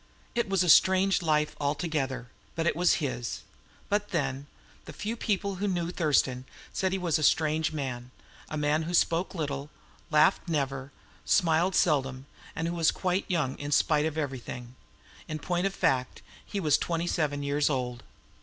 It was a strange life altogether; but it was his. But, then, the few people who knew Thurston said he was a strange man, a man who spoke little, laughed never, smiled seldom, and who was quite young, in spite of everything. In point of fact, he was twenty seven years old.